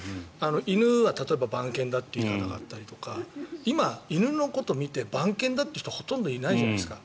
犬は、例えば番犬だっていう言い方だったりとか今、犬のこと見て番犬だっていう人はほとんどいないじゃないですか。